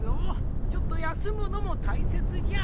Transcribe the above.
ちょっと休むのも大切じゃ。